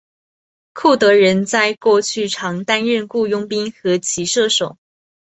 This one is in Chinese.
库德人在过去常担任雇佣兵和骑射手。